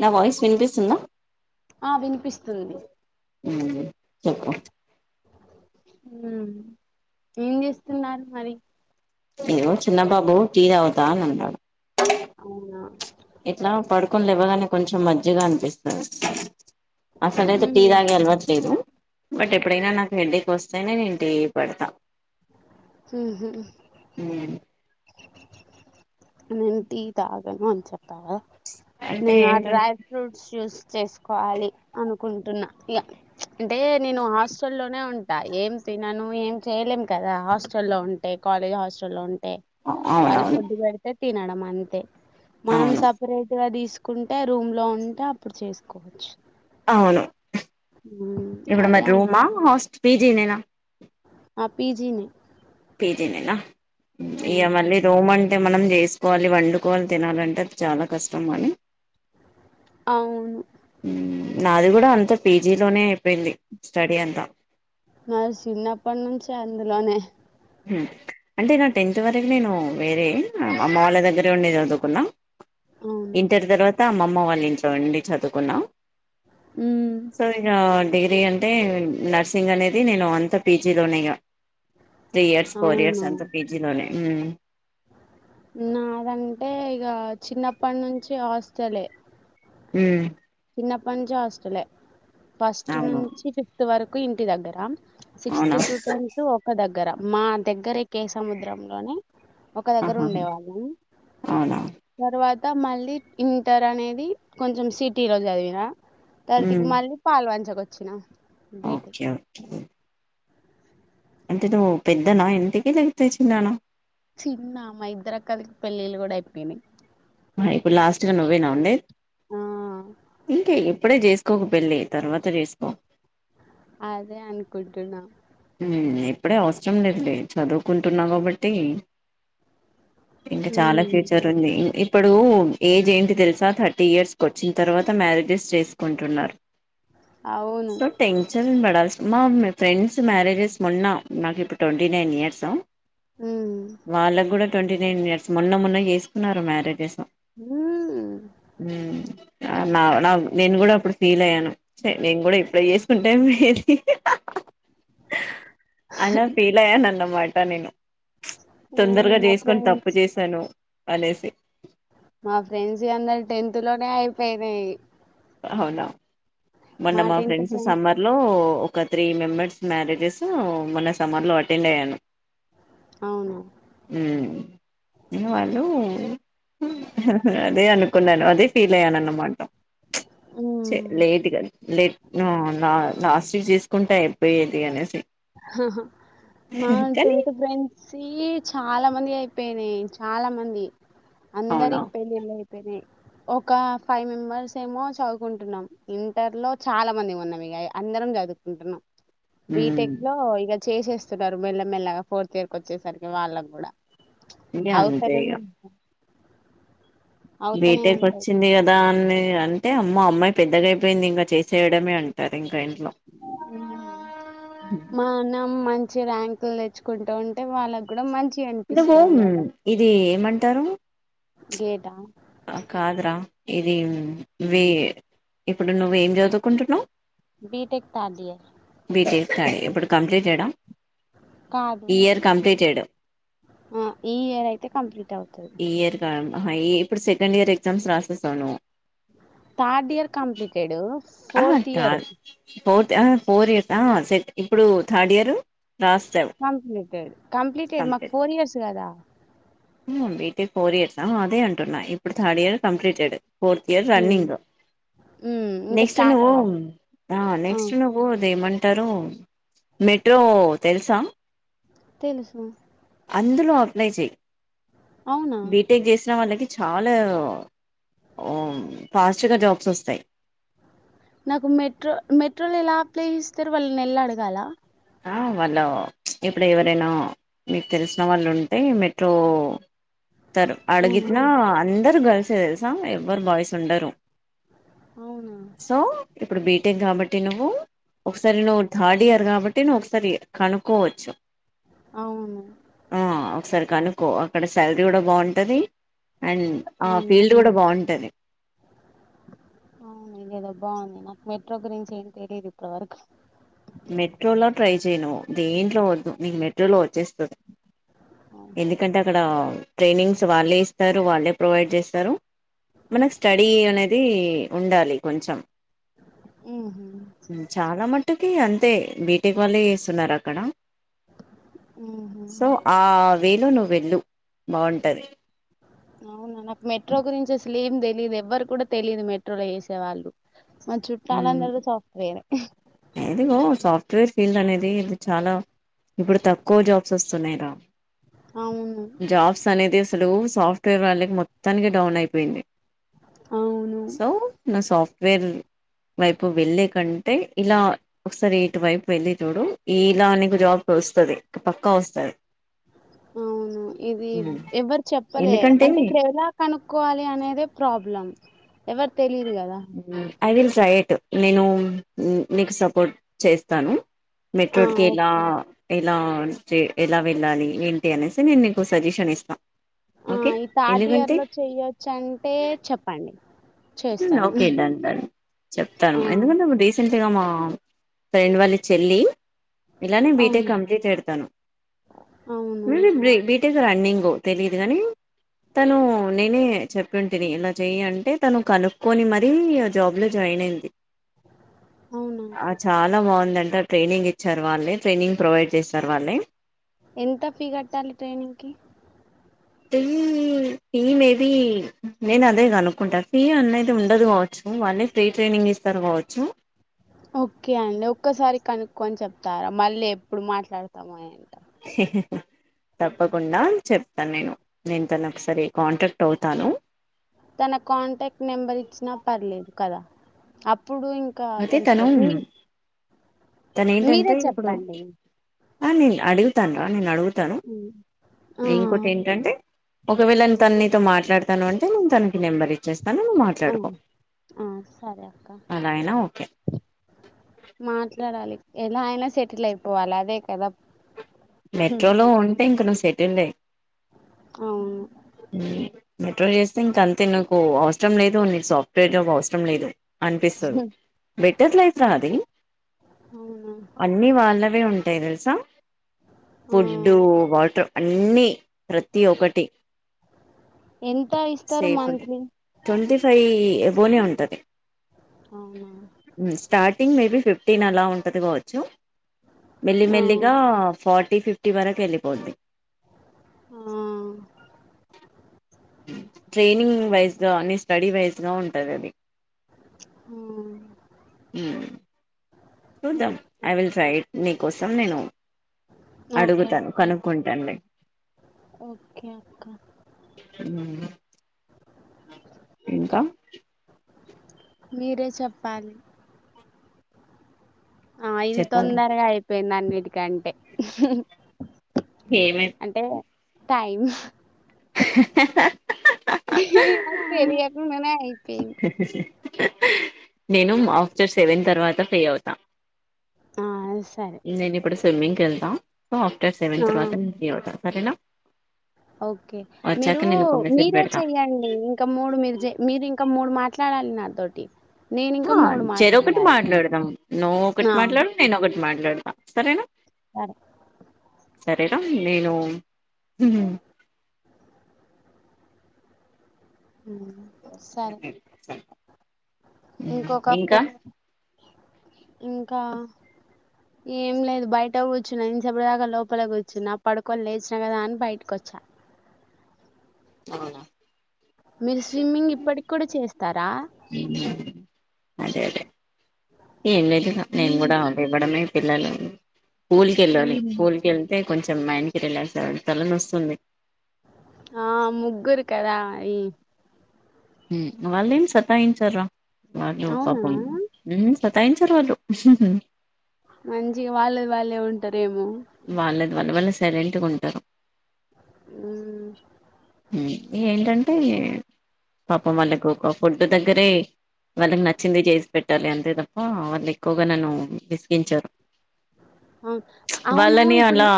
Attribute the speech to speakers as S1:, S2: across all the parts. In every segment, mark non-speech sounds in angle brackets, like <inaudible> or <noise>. S1: నా వాయిస్ వినిపిస్తుందా
S2: ఆ వినిపిస్తుంది
S1: హ్మ్ చెప్పు
S2: హ్మ్ ఏం చేస్తున్నారు మరి
S1: ఇదిగో చిన్న బాబు టీ దాగుతా అనన్నాడు
S2: అవునా
S1: ఇట్లా పడుకొని లెవ్వగానే కొంచెం మంచిగా అనిపిస్తది అసలైతే టీ
S2: ఊహు
S1: తాగే అలవాటు లేదు బట్ ఎప్పుడైనా నాకు హెడ్డేక్ వస్ స్తేనే నేను టీ పెడతా
S2: మ్మ్ హూ నేను టీ తాగను అని చెప్పా
S1: అంటే
S2: నేను ఆ డ్రై
S1: ఏంటంటే
S2: ఫ్రూట్స్ జూస్ చేసుకోవాలి అనుకుంటున్నా ఇగ అంటే నేను హాస్టల్లోనే ఉం ట ఏం తినను ఏం చేయలేం కదా హాస్టల్లో ఉంటే కాలేజ్ హాస్టల్లో ఉం వాళ్ళు
S1: అవునవును
S2: ఫుడ్డు పెడితే తినడం అంతే మనం
S1: అవును
S2: సపరేట్ గా తీసుకు కుంటే రూమ్లో ఉంటే అప్పుడు చేసుకోవచ్చు
S1: అవును
S2: మ్మ్
S1: ఇప్పుడు
S2: అదే
S1: మరి
S2: అన్
S1: రూమా హస్ పీజీనా
S2: ఆ పిజీనే
S1: పీజి నేనా ఇగ మళ్ళీ రూమ్ అంటే అంటే మనం చేసుకోవాలి వండుకోని తినాలంటే అది చాలా కష్టం అని
S2: అవును
S1: నాది కూడా అంత పీజీ లోనే అయిపోయింది స్టడీ అంతా
S2: నాది చిన్నప్పటి నుంచి అందులోనే
S1: అంటే నా టెన్త్ వరకు నేను వేరే అమ్మ వాళ్ళ దగ్గరే ఉండి చదువుకున్నా
S2: అవునా
S1: ఇంటర్ తర్వాత అమ్మమ్మ వాళ్ళ ఇంట్లో ఉండి చదువుకున్నా
S2: ఉమ్,
S1: సరిగా <unintelligible> డిగ్రీ అంటే నర్సింగ్ అనేది నేను అంత పీజీలోనే ఇగ త్రీ ఇయర్స్ ఫోర్ ఇయర్స్
S2: అవునా
S1: అంతా పీజీలోనే ఉం
S2: నాదంటే ఇగ చిన్నప్పటి నుంచి హాస్టలే
S1: ఉం
S2: చిన్నప్పటి నుంచి హాస్టలే ఫస్ట్
S1: అవును
S2: నుంచి ఫిఫ్త్ వరకు ఇంటి దగ్గర సిక్స్
S1: అవునా
S2: టు టెన్త్ ఒక దగ్గర మా దగ్గరే కే సముద్రంలోనే ఒక దగ్గర
S1: ఆహా
S2: ఉండే వాళ్ళం
S1: అవునా
S2: తర్వాత మళ్ళీ ఇంటర్ అనేది కొంచెం సిటీ లో చదివినా తరితికి
S1: ఉమ్,
S2: మళ్ళీ పాల్వంచ కోచ్చిన
S1: ఓకే ఓకే అంటే నువ్వు పెద్దనా ఇంటికి లేతే చిన్నన
S2: చిన్న మా ఇద్దర అక్కలకి పెళ్ళిళ్ళు కూడా అయిపోయినాయి
S1: ఇప్పుడు లాస్ట్ గా నువ్వేనా ఉండేది
S2: ఆ
S1: ఇంక ఇప్పుడే చేసుకోకు పెళ్ళి తర్వాత చేసుకో
S2: అదే అనుకుంటున్నా
S1: ఉం ఇప్పుడే అవసరం లేదులే చదువుకుంటున్నాం కాబట్టి ఇంకా చాలా
S2: ఉమ్
S1: ఫ్యూచర్ ఉంది ఇప్పుడు ఏజ్ ఏంటి తెలుసా థర్టీ ఇయర్స్ కి వచ్చిన తర్వాత మ్యారేజెస్ చేసుకుంటున్నారు
S2: అవును
S1: సో టెన్షన్ పడల్సిన మీ ఫ్రెడ్స్ మ్యారేజెస్ మొన్న నాకు ఇప్పుడు ట్వంటీ నైన్ ఇయర్స్
S2: ఉమ్
S1: వాళ్లకు కూడా ట్వంటీ నైన్ ఇయర్స్ మొన్న మొన్న చేసుకున్నారు మ్యారేజెస్ హు
S2: ఉమ్
S1: నా నా నేను కూడా అప్పుడు ఫీల్ అయ్యాను చ నేను కూడా ఇప్పుడె చేసుకుంటే ఏజ్ అలా ఫీలయ్యా నన్నమాట నేను మ్చ్
S2: అవును
S1: తొందరగా
S2: మా
S1: చేసుకొని తప్పు
S2: ఫ్రెండ్స్
S1: చేసాను అనేసి
S2: మా ఫ్రెండ్స్ యి అందరు టెన్త్ లోనే అయిపోయినాయి
S1: అవునా మొన్న మా ఫ్రెండ్స్ సమ్మర్ లో ఒక త్రీ మెంబర్స్ మ్యారేజెస్ మొన్న సమ్మర్ లో అటెండ్ అయ్యాను
S2: అవును
S1: ఇంగ వాళ్లు అదే అనుకున్నాను అదే ఫీల్ అయ్యాను అన్నమాట చ్ చే
S2: ఉమ్
S1: లేటుగా లేట్ నో లా లాస్ట్ చేసుకుంటే అయిపోయేది అనేసి
S2: హాహా మా
S1: కానీ
S2: టెన్త్ ఫ్రెండ్స్ యి చాలా మంది అయిపోయినాయి చాలా మంది
S1: అవునా
S2: అందరికి పెళ్ళిళ్ళయి ఒక ఫైవ్ మెంబర్స్ ఏమో చదువుకుంటున్నాం ఇంటర్ లో చాలా మంది ఉన్నాం అందరం చదువుకుంటున్నాం
S1: హ్మ్
S2: ఇక చేసేస్తున్నారు మెల్లమెల్లగా ఫోర్త్ ఇయర్ కి వచ్చేసరికి వాళ్ళకి కూడా
S1: ఇంక అంతే
S2: ఆగుతలే
S1: ఇగ బీటెక్
S2: ఉంటాయి
S1: వచ్చింది కదా అన్నే అంటే అమ్మో అమ్మాయి పెద్దగాయిపోయింది ఇంకా చేసేయడమే అంటారు ఇంకా ఆయనా
S2: మనం మం మంచి ర్యాంకులు తెచ్చుకుంటు ఉంటే వాళ్ళకు కూడా మంచి
S1: ఇదిగో ఇది ఏమంటారు
S2: గేట్ ఆ
S1: కాదురా ఇది వి ఇప్పుడు నువ్వ ఏం చదువుకుంటున్నావు
S2: బీటెక్ థర్డ్ ఇయర్
S1: సరే ఇప్పుడు కంప్లీట్ చేయడం
S2: కాదు ఈ ఇయర్ అయితే కంప్లీట్ అవు
S1: ఈ ఇయర్ ఆహా ఇప్పుడు సెకండ్ ఇయర్ ఎగ్జామ్స్ రాసేసాను
S2: థర్డ్ ఇయర్ కంప్లీటెడు
S1: ఆహా
S2: ఫోర్త్ ఇయరు
S1: కాదు ఫోర్త్ ఫోర్ ఇయర్స్ ఆ సె ఇప్పుడు థర్డ్ ఇయరు
S2: కంప్లీటెడ్ కంప్లీటేడ్ మాకు
S1: కంప్లీట్
S2: ఫోర్ ఇయర్స్ కదా
S1: బీటెక్ ఫోర్ ఇయర్స్ అదే అంటున్నాయి ఇప్పుడు third year completed fourth year
S2: ఉమ్
S1: రన్నింగ్
S2: ఉమ్ ఇంకా
S1: నెక్స్ట్ ను
S2: స్టార్ట్ అవ్వాలి
S1: ఆ నెక్స్ట్ నువ్వు అది ఏమన్నా అంటారు మెట్రో తెలుసా
S2: తెలుసు
S1: అందులో అప్లై చేయి
S2: అవునా
S1: బీటెక్ చేసిన వాళ్ళకి చాలా ఫాస్ట్గా జాబ్స్ వస్తాయి
S2: నాకు మెట్రో మెట్రోలు ఎలా అప్లేహస్తారు వాళ్ళనీ వెళ్ళి అడగాల
S1: వాళ్ళు ఎప్పుడు ఎవరైనా మీకు తెలిసిన వాళ్ళు ఉం టే మెట్రో త అడిగిన్నా అందరు గర్ల్స్ ఎ తెలుసా ఎవరు బాయ్స్ ఉండరు
S2: అవునా
S1: సో ఇప్పుడు బీ టెక్ కాబట్టి నువ్వు ఒకసారి నువ్వు థర్డ్ ఇయర్ కాబట్టి నువ్వు ఒకసారి కనుక్కోవచ్చు
S2: అవును
S1: ఆ ఒకసారి కనుకో అక్కడ శాలరీ కూడా బాగుంటది అండ్ ఆ
S2: అవునా
S1: ఫీల్డ్ కూడా బాగుంటది
S2: అవును ఇదేదో బాగుంది నాకు మెట్రో గురించి ఏం తెలియదు ఇప్పటి వరకు
S1: మెట్రోలో ట్రై చేయి నువ్వు దేంట్లో వద్దు నీకు మెట్రోలో వచ్చేస్తది ఎందుకంటే అక్కడ ట్రైనింగ్స్ వాళ్ళే ఇస్తారు వాళ్ళే ప్రొవైడ్ చేస్తారు మన స్టడీ అనేది ఉండాలి కొంచెం
S2: మ్మ్ హ్మ్
S1: ఇటుకి అంతే బీటెక్ వాళ్ళే వేస్తున్నారు అక్కడ
S2: ఉహు
S1: సో ఆ వేలో నువ్వు వెళ్ళు బాగుంటది
S2: అవునా నాకు మెట్రో గురించి అస్ ఏం తెలియదు ఎవ్వరు కూడా తెలియదు మెట్రోలో చేసే వాళ్ళు మ చుట్టాలు
S1: ఉమ్,
S2: అందరు సాఫ్ట్వేరే
S1: అదిగో సాఫ్ట్వేర్ ఫీల్డ్ అనేది ఇది చాలా ఇప్పుడు తక్కువ జాబ్స్ వస్తున్నాయి రా
S2: అవును
S1: జాబ్స్ అనేదిసలు సాఫ్ట్వేర్ వాళ్ళకి మొత్తానికి డౌన్ అయిపోయింది
S2: అవును
S1: సో నువ్ సాఫ్ట్వేర్ వైపు వెళ్ళే కంటే ఇలా ఒకసారి ఇటువైపు వెళ్ళి చూడు ఈల నీకు జాబ్ వస్తది పక్కా వస్తది <inaudible>
S2: అవును ఇది ఎవరు చెప్పలే
S1: ఎందుకంటే
S2: అంటే ఇప్పుడు ఎలా కనుక్కోవాలి అనేదే ప్రాబ్లం ఎవర్ తెలిదు కదా
S1: ఐ విల్ ట్రై ఎటు నేను మీకు సపోర్ట్ చేస్తాను
S2: ఆ
S1: మెట్రోట్ కి ఎలా
S2: ఓకే
S1: ఎ ఇలాన్ చే ఎలా వెళ్ళాలి ఏంటి అనేసి నేను నీకు సజెషన్ ఇస్త
S2: ఆ ఈ థర్డ్ ఇయర్ లో చెయ్యొచ్చు అంటే చెప్పండి
S1: ఊ
S2: చేస్తాను
S1: ఓకే డన్ డన్ చెప్తాను
S2: ఆ
S1: ఎందుకంటే ఇపుడు డీసెంట్గా మా ఫ్రెండ్ వాళ్ళ చెల్లి ఇలానే బీటెక్
S2: అవును
S1: కంప్లీట్ ఎడ్తాను
S2: అవును
S1: ఊ బ్రీ బీటెక్ రన్నింగు తెలిదు కాని తను నేనే చెప్పింటిని ఇలా చెయ్ అంటే తను కనుక్కొని మరీ జాబ్ లో జాయిన్ అయింది
S2: అవునా
S1: అ చాలా బాగుందండి త ట్రైనింగ్ ఇచ్చారు వాళ్ళే ట్రైనింగ్ ప్రొవైడ్ చేస్తారు వాళ్ళే
S2: ఎంత ఫీ కట్టాలే ట్రైనింగ్ కి
S1: ఫీ మేబి నేను అదే కనుకుంటా ఫీ అనేది ఉండదు కావచ్చు ఉ వాళ్ళే ఫ్రీ ట్రైనింగ్ ఇస్తరు కావచ్చు
S2: ఓకే అండి ఒక్కసారి కనుక్కొని చెప్తారా మళ్ళీ ఎప్పుడు మాట్లాడుతామో ఏంట
S1: తప్పకుండా చెప్త నేను దీన్ తోని ఒకసారి కాంటాక్ట్ అవుతాను
S2: తన కాంటక్ నెంబర్ ఇచ్చిన పర్లేదు కదా అప్ ఇప్పుడు ఇంకా
S1: అయితే తను
S2: తెలుసుకోవచ్చు మి
S1: తను
S2: మీరే
S1: ఏంటంటే ఇప్పుడు
S2: చెప్పండి
S1: ఆ నేన్ అడుగుతాండ్ర నేను అడుగు తను
S2: ఉమ్. ఆ
S1: ఇంకోటెంటంటే ఒకవేళ తన్ నీతోని మాట్ ట్లాడుతాను అంటే తనకి నెంబర్ ఇచ్చేస్
S2: అ ఆ సరే అక్క
S1: అలా అయినా ఓకే
S2: మాట్ల టడాలి ఎలా అయినా సెటిల్ అయిపోవాలి అదే కదా హ్మ్,
S1: మెట్రోలో ఉంటే ఇంక నువు సెటిల్డ్ ఏ
S2: అవును
S1: మెట్రోల్ చేస్తే ఇంక అంతే నీకు అవసరం లేదు నీకు సాఫ్ట్వేర్ జాబ్ అవసరం లేదు అనిపిస్తది
S2: హ్మ్,
S1: బెటర్ లైఫ్ రా అది
S2: అవునా
S1: అన్ని వాళ్ళవే ఉంటయి తెలుసా
S2: ఆ
S1: ఫుడ్డు వాటర్ అన్నీ ప్రతి ఒకటి
S2: ఎంత ఇస్తరు మంత్లీ
S1: ఫై ఎబోనే ఉంటది
S2: అవునా
S1: ఉ స్టార్టింగ్ మేబి ఫిఫ్టీన్ అలా ఉంటది కావచ్చు
S2: ఆ
S1: మెల్లిమెల్లిగా ఫార్టీ ఫిఫ్టీ వరకు ఎళ్ళిపోద్ధి
S2: ఆ
S1: ట్రైనింగ్ వైజ్ గా అన్ని స్టడీ వైజ్ గా ఉంటది అది మ్మ్
S2: ఆ ఓ-
S1: చూద్దాం ఐ విల్ ట్రై ఇట్ నీ కోసం నేను
S2: ఓకే
S1: అడుగుతాను
S2: అక్క
S1: కనుక్కుంటానులే
S2: ఓకే అక్క
S1: మ్మ్ ఇంకా
S2: మీరే చెప్పాలి ఆ ఇది
S1: చెప్పాలి
S2: తొందరగా అయిపోయిందిన్ని అన్నిటికంటే
S1: ఏమే
S2: టైమ్ ఏ తె తెలియకుండనే
S1: నేను ఆఫ్టర్ సెవెన్ తర్వాత ఫ్రీ అవుతా
S2: ఆ సరే
S1: నేను ఇప్పుడు స్విమ్మింకెళ్త సో ఆఫ్టర్ సెవెన్
S2: ఆ
S1: తర్వాత నేను ఫ్రీ అవుతా సరేనా
S2: ఓకే మీరు
S1: వచ్చాక నేను ఒక మెసేజ్
S2: మీరే
S1: పెడతా
S2: చెయ్యండి ఇంకా మూడు మీరు చె మీరు ఇంకా మూడు మా ట్లాడాలి నాతోటి నేను ఇంకా
S1: ఆ
S2: మూడు
S1: చెర ఒకటి
S2: మాట్లాడాలి
S1: మాట్లాడదాం నువ్వు ఒకటి
S2: ఆ
S1: మాట్లాడు నేను ఒకటి మాట్లాడత సరేనా
S2: సరే
S1: సరే రా నేను
S2: సరే ఇంకొక
S1: ఇంకా
S2: ఇంకా ఏం లేదు బయట కూర్చున ఇంసేపటిదాకా లోపలె కూర్చున్న పడుకొని లేచిన కదా అని బయటకొచ్చా
S1: అవునా
S2: మీరు స్విమ్మింగ్ ఇప్పటికి కూడా చేస్
S1: అదే అదే ఈ నేం
S2: ఉమ్
S1: కూడా విమడమే పిల్లలుని స్కూల్వెళ్ళాలి
S2: ఉహు
S1: స్కూల్ కి వెళ్తే కొంచెం మైండ్ కి రిలాక్స్ అవ్వడం తల నొస్తుంది
S2: ఆ ముగ్గురు కదా మ్
S1: వాళ్ళేం సతాయించార వాళ్ళు
S2: అవునా
S1: పాపం ఉహు సతాయించరు వాళ్ళు
S2: మంచిగా వాళ్ళేది వాళ్ళే ఉంటారేమో
S1: వల్ల వల్లే సైలెంట్ గా ఉంటారు
S2: ఊ
S1: ఏంటంటే పాపం వాళ్ళకు ఒక ఫుడ్ దగ్గరే వాళ్ళకి నచ్చింది చేసి పెట్టాలి అంతే తప్ప వాళ్ళు ఎక్కువగా నన్ను విసిగించారు
S2: ఔట్
S1: వాళ్ళని అలా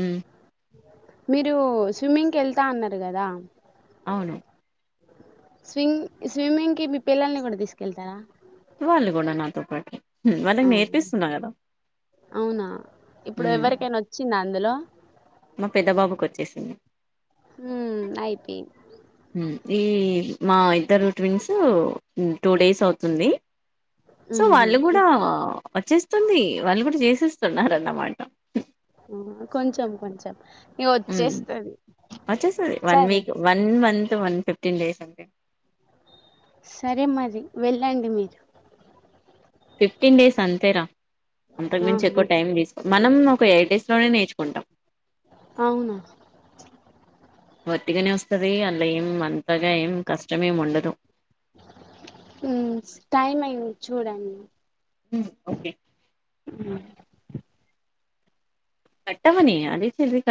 S1: ఉమ్
S2: మీరు స్విమ్మింగ్ కి వెళ్తా అన్నారు కదా
S1: అవును
S2: స్వింగ్ స్విమ్మింగ్కిి మీ పిల్లల్ని కూడా తీసుకెళ్తారా
S1: వాల్ కూడా నాతోప్పట్ వాళ్ళకి
S2: ఆ
S1: నేర్పిస్తున్నా కదా
S2: అవునా
S1: ఉ
S2: ఇప్పుడు ఎవరికైనా వచ్చిందా అందులో
S1: మా పెద్ద బాబుకు వచ్చేసింది
S2: ఉ అయిపి
S1: ఈ మా ఇద్దరు ట్విన్స్ టూ డేస్ అవుతుంది సో
S2: మ్మ్
S1: వాళ్ళు
S2: హ్మ్
S1: కూడా వచ్చేస్తుంది వాళ్ళు కూడా చేసేస్తున్నారన్నమాట
S2: ఆ కొంచెం కొంచెం ఇగ
S1: ఉమ్
S2: వచ్చేస్తది
S1: వచేస్తాది వన్
S2: సరే
S1: week one month one fifteen days అంటే
S2: సరే మరి వెళ్ళండి మీరు
S1: ఫిఫ్టీన్ డేస్ అంతేరా అంతకు మించి ఎక్కువ
S2: ఆహా
S1: టైం వేస్ట్ మనం ఒక ఎయిట్ డేస్ లోనే నేర్చుకుంటాం
S2: అవునా
S1: ఒతిగనే వస్తది అందులో ఎం అంతగా ఎం కష్టమేము ఉండదు
S2: ఉమ్ టైమ్ అయింది చూడండి
S1: ఉమ్ ఓకే
S2: అమ్
S1: కట్టవని అది చెల్లి కా